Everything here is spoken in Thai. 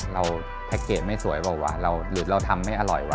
เราแพ็กเกจไม่สวยบ้างวะหรือเราทำไม่อร่อยวะ